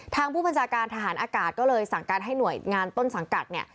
ทางผู้บัญชาการทหารอากาศก็เลยสั่งการให้หน่วยงานต้นสังกัดเนี่ย